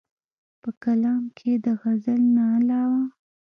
پۀ کلام کښې ئې د غزل نه علاوه